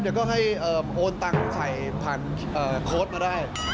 เดี๋ยวก็ให้โอนตังค์ใส่ผ่านโค้ดมาได้